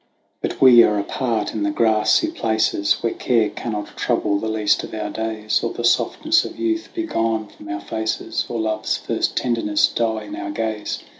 a But we are apart in the grassy places, Where care cannot trouble the least of our davs, Or the softness of youth be gone from our faces, Or love's first tenderness die in our gaze.